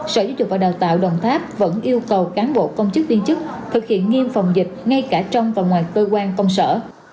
sở giáo dục và đào tạo đồng tháp vẫn yêu cầu cán bộ công chức viên chức thực hiện nghiêm phòng dịch ngay cả trong và ngoài cơ quan công sở